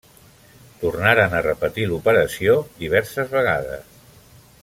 Tornaren a repetir l'operació diverses vegades.